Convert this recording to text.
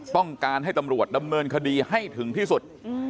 ต้องการให้ตำรวจดำเนินคดีให้ถึงที่สุด